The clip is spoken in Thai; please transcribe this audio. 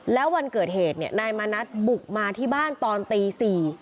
แล้ววันเกิดเหตุเนี่ยนายมานัดบุกมาที่บ้านตอนตี๔